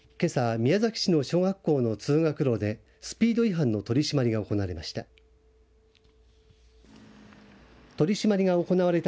宮崎市の小学校の通学路でスピード違反の取り締まりが行われました。